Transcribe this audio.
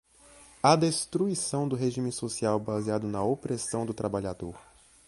à destruição do regime social baseado na opressão do trabalhador